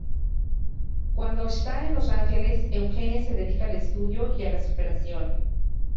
Cuando está en Los Ángeles, Eugenia se dedica al estudio y la superación.